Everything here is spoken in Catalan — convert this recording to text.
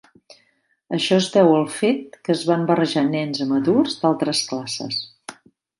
Això es deu al fet que es van barrejar nens amb adults d'altres classes.